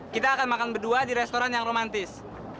kita akan makan berdua di restoran yang romantis